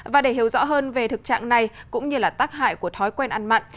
và để hiểu rõ hơn về thực trạng này cũng như là tác hại của thói quen ăn mặn